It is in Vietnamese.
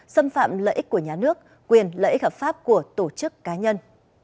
xâm phạm lợi ích của nhà nước quyền lợi ích hợp pháp của tổ chức cá nhân